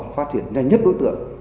phát hiện nhanh nhất đối tượng